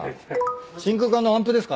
真空管のアンプですか？